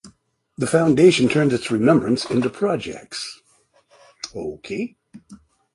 The Fondation turns its remembrance into projects.